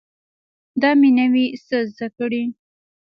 دا مې نوي څه زده کړي